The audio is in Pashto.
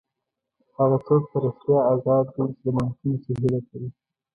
هغه څوک په رښتیا ازاد دی چې د ممکن شي هیله کوي.